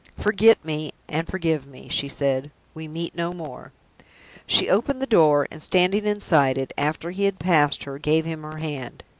"Forget me, and forgive me," she said. "We meet no more." She opened the door, and, standing inside it, after he had passed her, gave him her hand.